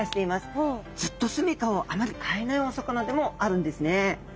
ずっとすみかをあまり変えないお魚でもあるんですね。